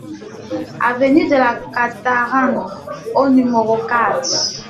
Avenue de la Cantaranne au numéro quatre